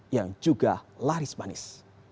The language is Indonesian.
yang juga laris manis